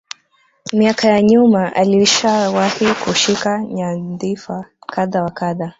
Miaka ya nyuma alishawahi kushika nyandhifa kadha wa kadha